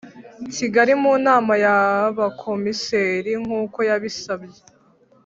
Kigali mu nama y Abakomiseri nk uko yabisabye